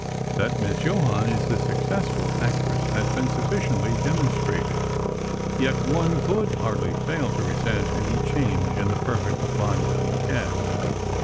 That Miss Johann is a successful actress has been sufficiently demonstrated. Yet one could hardly fail to resent any change in the perfect "Vanya" cast.